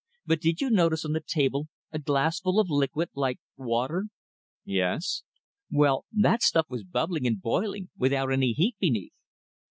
"But did you notice on the table a glassful of liquid, like water?" "Yes." "Well, that stuff was bubbling and boiling without any heat beneath."